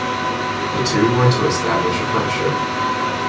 The two were to establish a friendship.